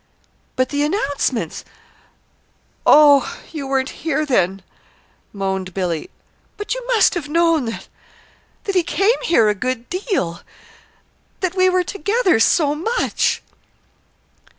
"But the announcements oh, you weren't here then," moaned Billy. "But you must have known that that he came here a good deal that we were together so much!"